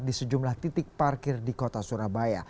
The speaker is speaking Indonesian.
di sejumlah titik parkir di kota surabaya